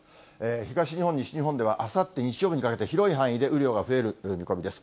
東日本、西日本ではあさって日曜日にかけて、広い範囲で雨量が増える見込みです。